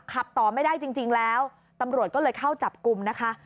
ขับต่อไม่ได้จริงแล้วตำรวจก็เลยเข้าจับกลุ่มนะคะ